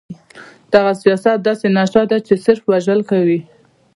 دغه سياست داسې نيشه ده چې صرف وژل کوي.